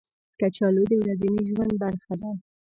کچالو د ورځني ژوند برخه ده